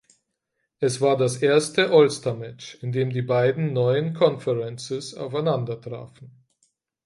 Es war das erste All-Star Match in dem die beiden neuen Conferences aufeinander trafen.